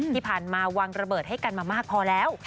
ที่ผ่านมาวางระเบิดให้กันมามากพอแล้ว